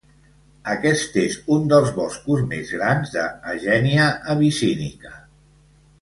Aquest és un dels boscos més grans de "Hagenia abyssinica".